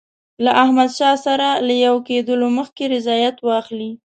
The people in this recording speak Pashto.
له احمدشاه سره له یو کېدلو مخکي رضایت واخلي.